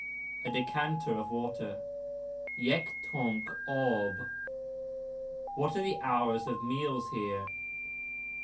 A decanter of water What are the hours of meals here ?